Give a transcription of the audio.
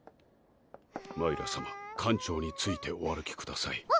マイラさま館長についてお歩きください